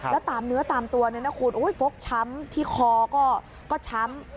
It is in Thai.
และตามเนื้อตามตัวโฟกช้ำที่คอก็ช้ำ